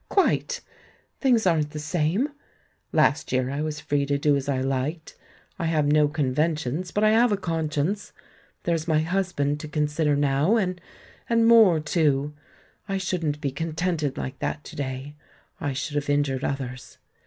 "Quite. Things aren't the same; last year I was free to do as I Jiked. I have no conventions, but I have a conscience — there's my husband to consider now, and — and more, too. I shouldn't be contented like that to day — I should have injured others.